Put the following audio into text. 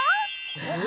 えっ？